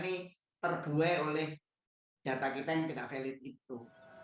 ini terbuai oleh data kita yang tidak valid itu